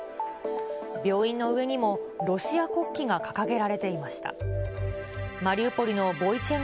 病院の上にもロシア国旗が掲げられていました。